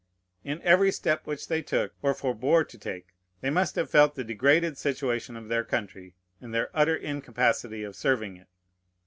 In every step which they took, or forbore to take, they must have felt the degraded situation of their country, and their utter incapacity of serving it.